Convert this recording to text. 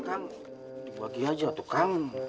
kang dibagi aja tuh kang